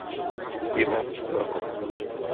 Ivo Prokop.